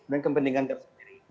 dan kepentingan tersebut sendiri